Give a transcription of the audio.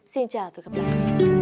xin chào và hẹn gặp lại